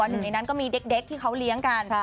หนึ่งในนั้นก็มีเด็กที่เขาเลี้ยงกัน